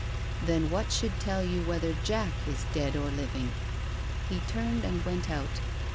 " Then what should tell you whether Jack is dead or living? " He turned and went out.